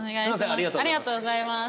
ありがとうございます。